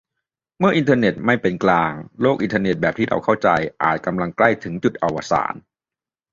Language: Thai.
เมื่ออินเทอร์เน็ตไม่เป็นกลาง โลกอินเทอร์เน็ตแบบที่เราเข้าใจ อาจกำลังใกล้มาถึงจุดอวสาน